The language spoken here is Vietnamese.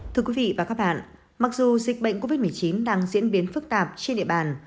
thưa quý vị và các bạn mặc dù dịch bệnh covid một mươi chín đang diễn biến phức tạp trên địa bàn